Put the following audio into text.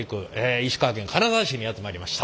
石川県金沢市にやって参りました。